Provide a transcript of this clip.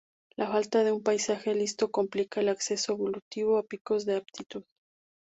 La falta de un paisaje liso complica el acceso evolutivo a picos de aptitud.